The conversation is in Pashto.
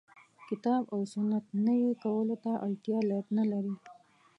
کتاب او سنت نوي کولو ته اړتیا نه لري.